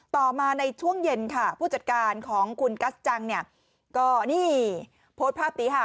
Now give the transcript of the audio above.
ต่อมาในช่วงเย็นค่ะผู้จัดการของคุณกัสจังเนี่ยก็นี่โพสต์ภาพนี้ค่ะ